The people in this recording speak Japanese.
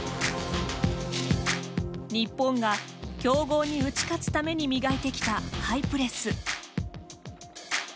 日本が強豪に打ち勝つために磨いてきたハイプレス。